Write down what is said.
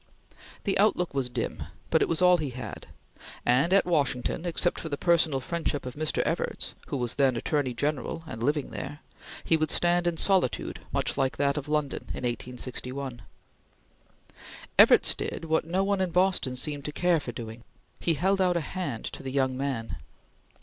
The outlook was dim, but it was all he had, and at Washington, except for the personal friendship of Mr. Evarts who was then Attorney General and living there, he would stand in solitude much like that of London in 1861. Evarts did what no one in Boston seemed to care for doing; he held out a hand to the young man.